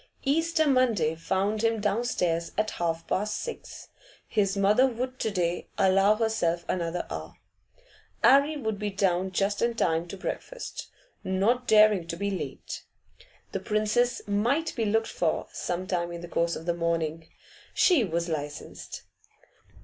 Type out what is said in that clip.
Easter Monday found him down stairs at half past six. His mother would to day allow herself another hour. 'Arry would be down just in time to breakfast, not daring to be late. The Princess might be looked for some time in the course of the morning; she was licensed.